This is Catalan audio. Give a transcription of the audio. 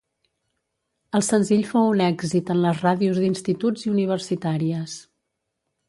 El senzill fou un èxit en les ràdios d'instituts i universitàries.